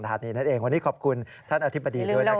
วันนี้ขอบคุณท่านอธิบดีด้วยนะครับ